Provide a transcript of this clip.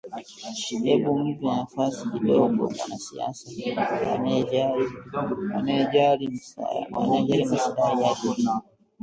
Hebu mpe nafasi kidogo mwanasiasa anayejali maslahi yake tu